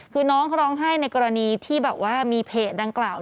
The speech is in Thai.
คือน้องเขาร้องไห้ในกรณีที่แบบว่ามีเพจดังกล่าว